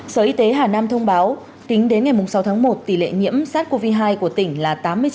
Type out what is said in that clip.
sở y tế hà nam thông báo tính đến ngày sáu tháng một tỷ lệ nhiễm sars cov hai của tỉnh là tám mươi chín